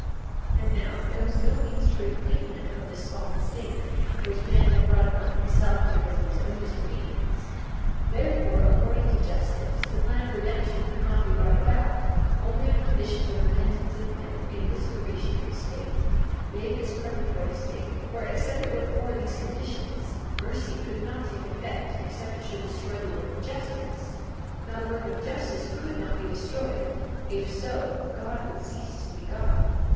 42:12 And now, there was no means to reclaim men from this fallen state, which man had brought upon himself because of his own disobedience; 42:13 Therefore, according to justice, the plan of redemption could not be brought about, only on conditions of repentance of men in this probationary state, yea, this preparatory state; for except it were for these conditions, mercy could not take effect except it should destroy the work of justice. Now the work of justice could not be destroyed; if so, God would cease to be God.